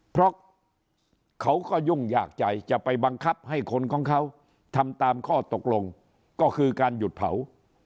เพราะเขาก็ยุ่งยากใจจะไปบังคับให้คนของเขาทำตามข้อตกลงก็คือการหยุดเผา